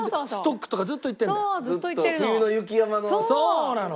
そうなの！